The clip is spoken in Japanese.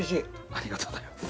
ありがとうございます。